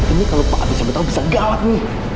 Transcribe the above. ini kalau pak adi sembunyau bisa galak ini